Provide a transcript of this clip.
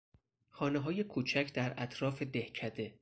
خانههای کوچک در اطراف دهکده